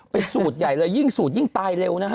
เป็นสูตรใหญ่เลยยิ่งสูตรยิ่งตายเร็วนะฮะ